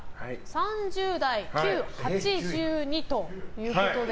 ３０代、９、８２ということで。